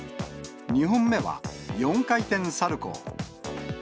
２本目は４回転サルコー。